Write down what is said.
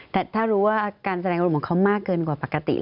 แต่ถ้ารู้ว่าการแสดงอารมณ์ของเขามากเกินกว่าปกติ